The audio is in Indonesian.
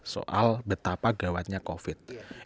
soal betapa gawatnya covid